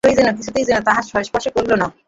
কেহই যেন, কিছুতেই যেন, তাহাকে স্পর্শ করিল না।